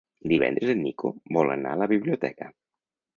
Divendres en Nico vol anar a la biblioteca.